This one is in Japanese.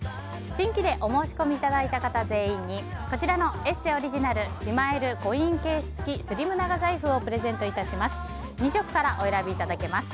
新規でお申し込みいただいた方全員にこちらの「ＥＳＳＥ」オリジナルしまえるコインケース付きスリム長財布をプレゼントいたします。